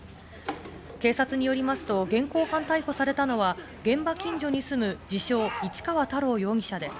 警察によりますと現行犯逮捕されたのは現場近所に住む自称・市川太郎容疑者です。